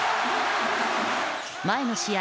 前の試合